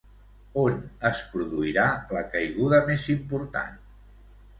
On es produirà la caiguda més important?